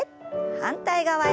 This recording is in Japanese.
反対側へ。